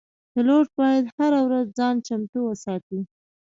پیلوټ باید هره ورځ ځان چمتو وساتي.